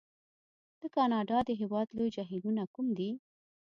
د کانادا د هېواد لوی جهیلونه کوم دي؟